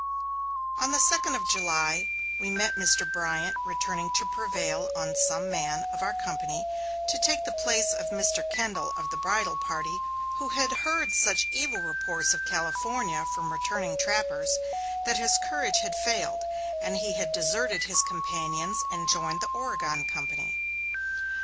On the second of July we met Mr. Bryant returning to prevail on some man of our company to take the place of Mr. Kendall of the bridle party, who had heard such evil reports of California from returning trappers that his courage had failed, and he had deserted his companions and joined the Oregon company.